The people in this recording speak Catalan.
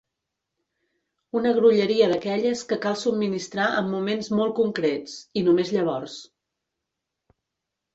Una grolleria d'aquelles que cal subministrar en moments molt concrets, i només llavors.